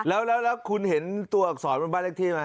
แล้วคุณเห็นตัวอักษรบัลลิกทีไหม